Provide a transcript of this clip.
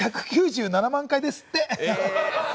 今、１９７万回ですって。